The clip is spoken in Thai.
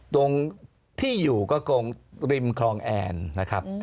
ตรงที่อยู่ก็ตรงริมคลองแอนนะครับ